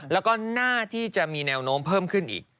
แล้วก็น่าที่จะมีแนวโน้มเพิ่มขึ้นอีก